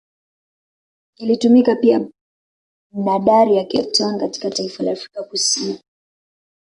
Ilitumika pia Bnadari ya Cape Town katika taifa la Afrika Kusini